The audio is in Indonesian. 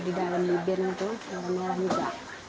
di dalam bibirnya itu merah merah juga